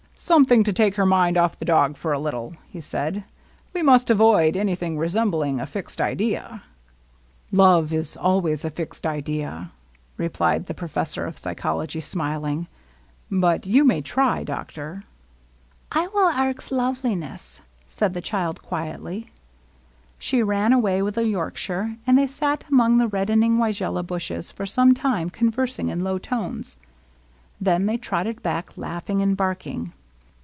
^^ Something to take her mind ofiE the dog for a little," he said. " We must avoid anything resem bUng . W idea." " Love is always a fixed idea," replied the pro Wr of peyehology, soaling. "But^ou n^X. doctor." ^^ I will arx Loveliness," said the child quietiy. She ran away with the Yorkshire, and they sat among the reddening weigelia bushes for some time, conversing in low tones. Then they trotted back, laughing and barking.